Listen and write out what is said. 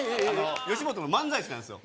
吉本の漫才師なんですよ